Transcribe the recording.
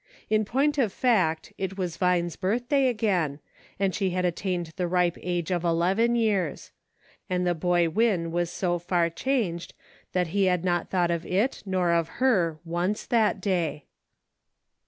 In point of fact, it was Vine's birthday again, and she had attained the ripe age of eleven years ; and the boy Win was so far changed that he had not thought of it, nor of her, once that day.